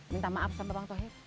minta maaf sama bang tauhid